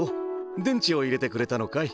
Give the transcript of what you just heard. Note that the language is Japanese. でんちをいれてくれたのかい？